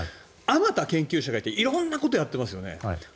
あまた研究者がいて色んなことをやっていますよね。